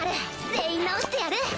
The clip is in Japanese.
全員治してやる！